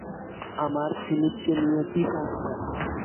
আমার ফিলিপকে নিয়ে কি সমস্যা?